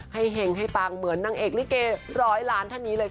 เห็งให้ปังเหมือนนางเอกลิเกร้อยล้านท่านนี้เลยค่ะ